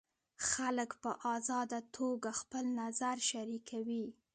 خلک په ازاده توګه خپل نظر شریکوي.